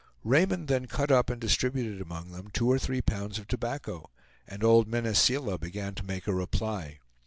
Raymond then cut up and distributed among them two or three pounds of tobacco, and old Mene Seela began to make a reply.